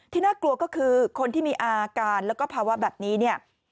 น่ากลัวก็คือคนที่มีอาการแล้วก็ภาวะแบบนี้เนี่ย